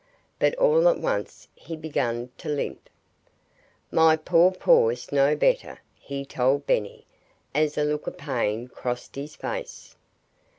But all at once he began to limp. "My poor paw's no better," he told Benny, as a look of pain crossed his face.